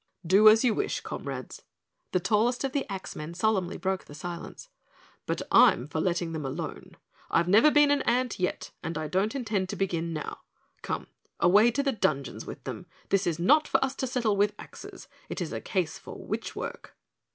"Do as you wish, comrades," the tallest of the axmen solemnly broke the silence, "but I'm for letting them alone. I've never been an ant yet and don't intend to begin now. Come away to the dungeons with them. This is not for us to settle with axes, it is a case for witch work."